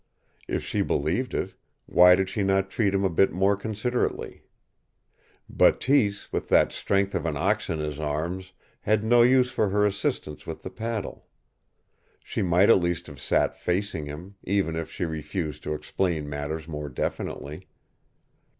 If she believed it, why did she not treat him a bit more considerately? Bateese, with that strength of an ox in his arms, had no use for her assistance with the paddle. She might at least have sat facing him, even if she refused to explain matters more definitely.